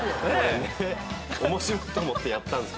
面白いと思ってやったんす。